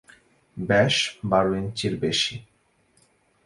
ব্যাস বারো ইঞ্চির বেশি।